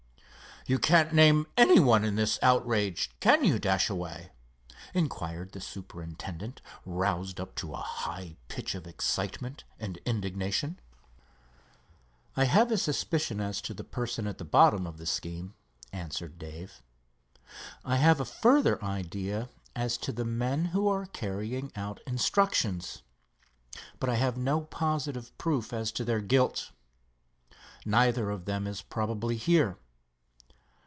"You can't name any one in this outrage; can you, Dashaway?" inquired the superintendent, roused up to a high pitch of excitement and indignation. "I have a suspicion as to the person at the bottom of the scheme," answered Dave. "I have a further idea as to the men who are carrying out instructions, but I have no positive proof as to their guilt. Neither of them is probably here.